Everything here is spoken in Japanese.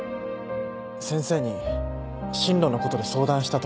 先生に進路のことで相談したときも。